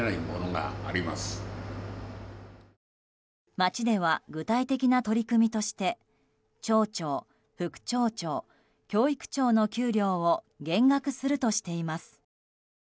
町では具体的な取り組みとして町長、副町長、教育長の給料を減額するとしています。